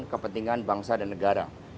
kepentingan bangsa dan negara